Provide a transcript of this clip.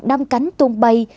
năm cánh tung bay